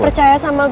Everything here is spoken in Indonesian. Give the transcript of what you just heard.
percaya sama gue